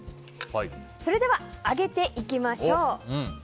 それでは揚げていきましょう。